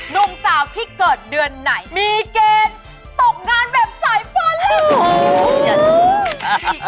หนุ่มสาวที่เกิดเดือนไหนมีเกณฑ์ตกงานแบบสายฟ้าแล้ว